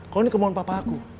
kalau ini kemauan papa aku